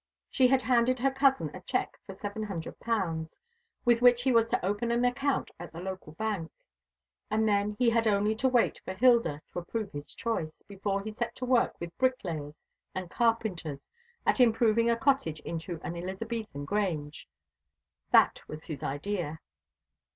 She had handed her cousin a cheque for seven hundred pounds, with which he was to open an account at the local bank. And then he had only to wait for Hilda to approve his choice, before he set to work with bricklayers and carpenters at improving a cottage into an Elizabethan Grange. That was his idea.